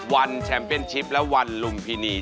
วันแชมเปญชิปแล้ววันลุงพินี